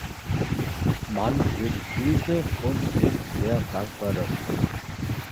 Man will Hilfe und ist sehr dankbar dafür.